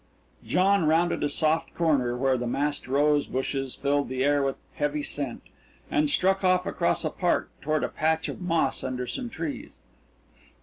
John rounded a soft corner where the massed rosebushes filled the air with heavy scent, and struck off across a park toward a patch of moss under some trees.